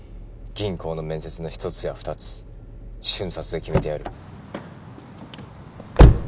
銀行の面接の１つや２つ瞬殺で決めてやる。